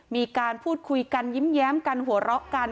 มีการพูดคุยกันยิ้มแย้มกันหัวเราะกัน